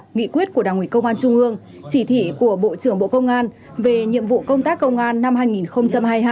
nghị quyết của đảng ủy công an trung ương chỉ thị của bộ trưởng bộ công an về nhiệm vụ công tác công an năm hai nghìn hai mươi hai